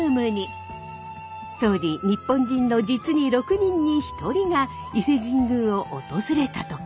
当時日本人の実に６人に１人が伊勢神宮を訪れたとか。